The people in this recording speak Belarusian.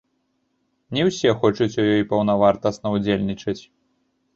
Не ўсе хочуць у ёй паўнавартасна ўдзельнічаць.